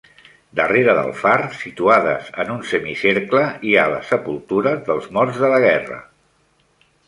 Darrere del far, situades en un semicercle, hi ha les sepultures dels morts de la guerra.